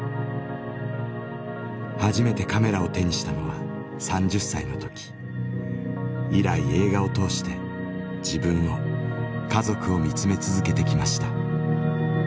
初めてカメラを手にしたのは３０歳の時以来映画を通して自分を家族を見つめ続けてきました。